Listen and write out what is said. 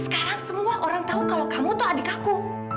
sekarang semua orang tahu kalau kamu tuh adik aku